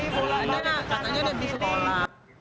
katanya sudah habis sekolah